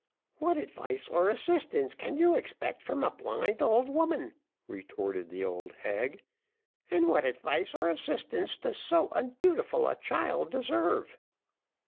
"What advice or assistance can you expect from a blind old woman?" retorted the old hag. "And what advice or assistance does so undutiful a child deserve?"